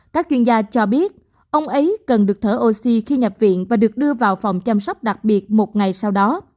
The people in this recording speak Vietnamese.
các chuyên gia cho biết ông ấy cần được thở oxy khi nhập viện và được đưa vào phòng chăm sóc đặc biệt một ngày sau đó